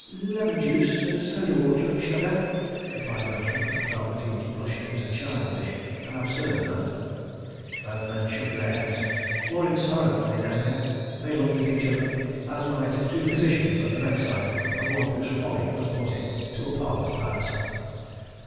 "Lemon juice, soda water, and sugar," replied Bertram, and felt that he was blushing in a childish and absurd manner. Both men shook their heads, more in sorrow than in anger. They looked at each other, as might two physicians at the bedside of one whose folly has brought him to a parlous pass.